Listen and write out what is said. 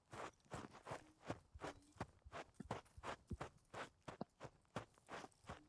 dhidi ya Iran au Korea Kaskazini